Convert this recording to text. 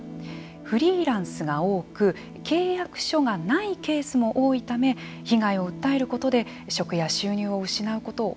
フリーランスが多く契約書がないケースも多いため被害を訴えることで職や収入を失うことを